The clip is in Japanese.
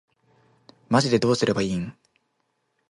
マジでどうすればいいん